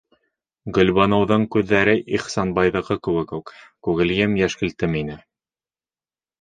- Гөлбаныуҙың күҙҙәре, Ихсанбайҙыҡы кеүек үк, күгелйем-йәшкелтем ине.